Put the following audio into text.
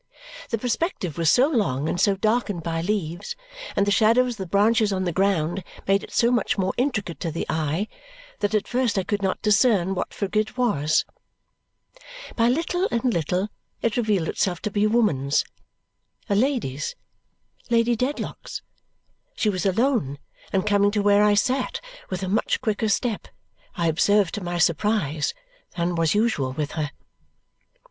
The perspective was so long and so darkened by leaves, and the shadows of the branches on the ground made it so much more intricate to the eye, that at first I could not discern what figure it was. By little and little it revealed itself to be a woman's a lady's Lady Dedlock's. She was alone and coming to where I sat with a much quicker step, I observed to my surprise, than was usual with her.